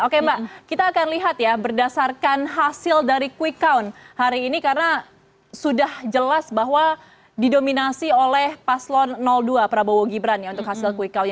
oke mbak kita akan lihat ya berdasarkan hasil dari quick count hari ini karena sudah jelas bahwa didominasi oleh paslon dua prabowo gibran ya untuk hasil quick count